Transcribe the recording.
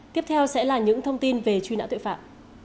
tiếp theo sẽ là những thông tin về truy nã tội phạm